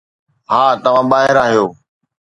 ها، توهان ٻاهر آهيو